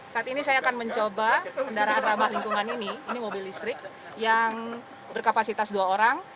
saat ini saya akan mencoba kendaraan ramah lingkungan ini ini mobil listrik yang berkapasitas dua orang